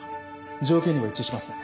条件にも一致しますね。